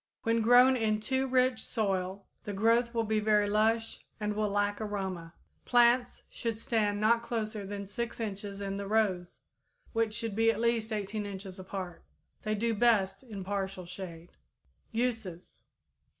When grown in too rich soil, the growth will be very lush and will lack aroma. Plants should stand not closer than 6 inches in the rows, which should be at least 18 inches apart. They do best in partial shade. _Uses.